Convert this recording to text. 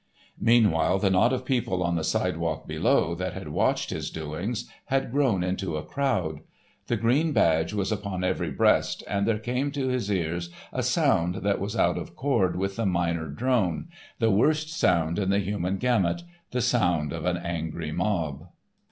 Meanwhile the knot of people on the sidewalk below, that had watched his doings, had grown into a crowd. The green badge was upon every breast, and there came to his ears a sound that was out of chord with the minor drone, the worst sound in the human gamut, the sound of an angry mob.